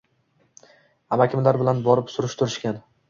Amakimlar bilan borib surishtirishgan.